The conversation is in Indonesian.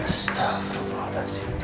pasti capek banget